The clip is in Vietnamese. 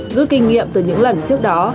rút kinh nghiệm từ những lần trước đó